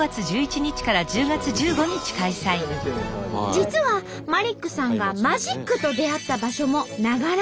実はマリックさんがマジックと出会った場所も長良川。